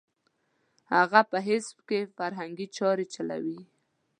هغه په حزب کې فرهنګي چارې چلولې.